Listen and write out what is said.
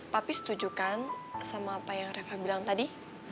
papi setuju kan sama apa yang reva bilang tadi